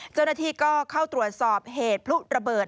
เจ้าหน้าที่ก็เข้าตรวจสอบเหตุพลุระเบิด